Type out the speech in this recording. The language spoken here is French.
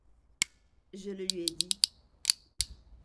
Je le lui ai dit.